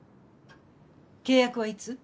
契約はいつ？